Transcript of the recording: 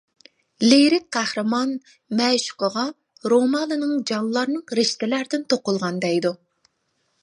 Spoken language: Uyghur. لىرىك قەھرىمان مەشۇقىغا رومالىنىڭ جانلارنىڭ رىشتىلەردىن توقۇلغان دەيدۇ.